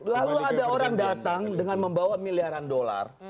lalu ada orang datang dengan membawa miliaran dolar